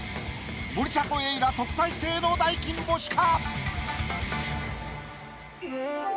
森迫永依ら特待生の大金星か？